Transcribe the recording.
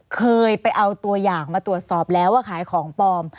เคยไปเอาตัวอย่างมาตรวจสอบแล้วว่าขายของปลอม